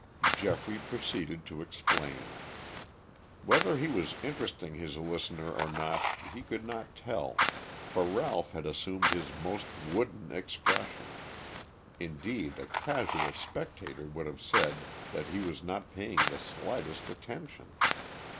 Geoffrey proceeded to explain. Whether he was interesting his listener or not he could not tell, for Ralph had assumed his most wooden expression; indeed, a casual spectator would have said that he was not paying the slightest attention.